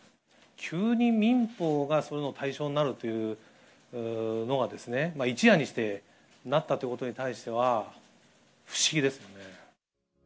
急に民法がそういう対象になるというのが、一夜にして、なったということに対しては不思議ですね。